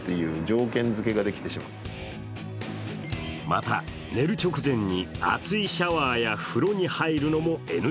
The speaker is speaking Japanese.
また、寝る直前に熱いシャワーや風呂に入るのもＮＧ。